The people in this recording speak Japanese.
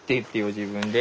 自分で。